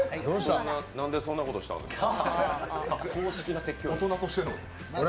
なんでそんなことしたんですか？